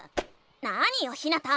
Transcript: なによひなた！